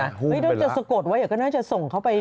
น่าจะสะกดไว้ก็น่าจะส่งเขาไป